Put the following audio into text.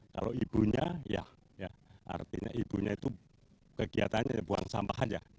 kalau ibunya ya artinya ibunya itu kegiatannya buang sampah aja